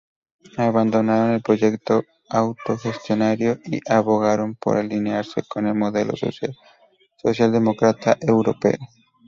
Abandonaron el proyecto autogestionario y abogaron por alinearse con el modelo socialdemócrata europeo.